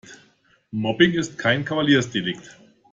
Mobbing ist kein Kavaliersdelikt.